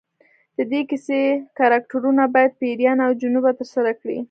د دې کیسې کرکټرونه باید پیریان او جنونه ترسره کړي.